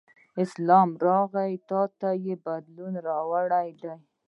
اسلام راغی ته یې بدلون راوړی دی.